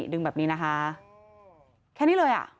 ดึงแบบนี้นะคะแค่นี้เลยอ่ะ